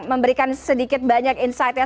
memberikan sedikit banyak insightnya